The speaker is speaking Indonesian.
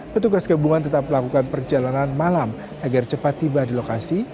petugas gabungan tetap melakukan perjalanan malam agar cepat tiba di lokasi